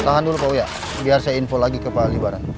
tahan dulu pak buya biar saya info lagi ke pak libaran